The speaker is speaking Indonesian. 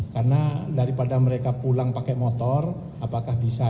karena daripada mereka pulang pakai motor apakah bisa